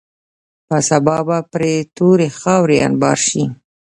په سبا به پرې تورې خاورې انبار شي.